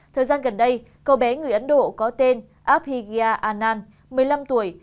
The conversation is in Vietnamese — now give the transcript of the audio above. thời gian gần đây cậu bé người ấn độ có tên abhigya anand một mươi năm tuổi